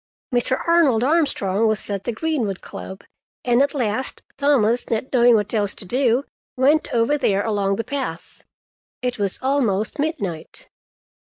Mr. Arnold Armstrong was at the Greenwood Club, and at last Thomas, not knowing what else to do, went over there along the path. It was almost midnight.